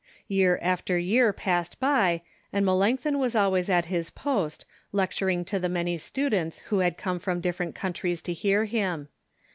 Year after year passed by, and Melanchtlion was always at his post, lecturing to the many students who had come from different countries to hear him.